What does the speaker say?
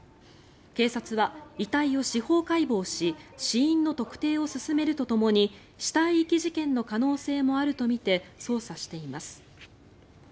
警察は遺体を司法解剖し死因の特定を進めるとともに死体遺棄事件の可能性もあるとみて捜査しています。